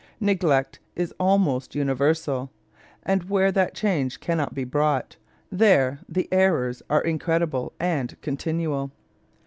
Neglect is almost universal, and where that charge cannot be brought, there the errors are incredible and continual.